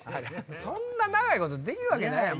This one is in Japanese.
そんな長いことできるわけないやろ。